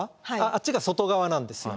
あっちが外側なんですよ。